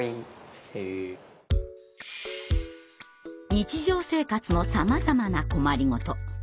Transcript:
日常生活のさまざまな困り事。